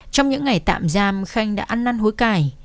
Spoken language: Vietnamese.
trong những ngày tạm giam khanh đã ăn năn hối cải